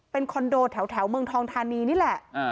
เป็นคอนโดแถวเมืองทองทานีนี่แหละ